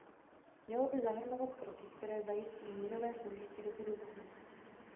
Mělo by zahrnovat kroky, které zajistí mírové soužití do budoucna.